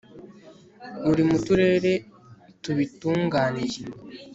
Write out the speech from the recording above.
uri mu turere tubitunganiye